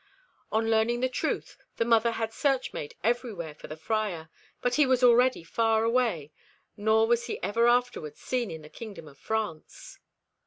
On learning the truth, the mother had search made everywhere for the Friar, but he was already far away, nor was he ever afterwards seen in the kingdom of France.